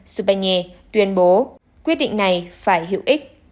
stephen b tuyên bố quyết định này phải hữu ích